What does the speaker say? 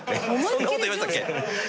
そんなこと言いましたっけ！？